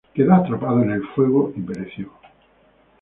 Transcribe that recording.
Quedó atrapado en el fuego y pereció.